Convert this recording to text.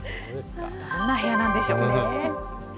どんな部屋なんでしょうね。